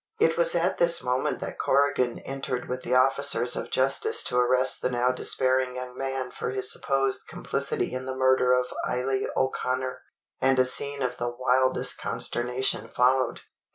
It was at this moment that Corrigan entered with the officers of justice to arrest the now despairing young man for his supposed complicity in the murder of Eily O'Connor; and a scene of the wildest consternation followed.